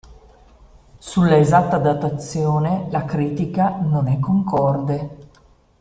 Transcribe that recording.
Sulla esatta datazione la critica non è concorde.